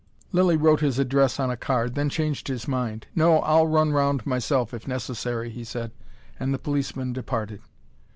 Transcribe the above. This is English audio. Lilly wrote his address on a card, then changed his mind. "No, I'll run round myself if necessary," he said. And the policeman departed.